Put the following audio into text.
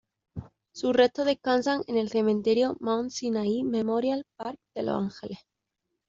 Sus restos descansan en el Cementerio Mount Sinai Memorial Park de Los Ángeles.